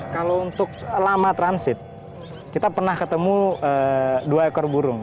kalau untuk lama transit kita pernah ketemu dua ekor burung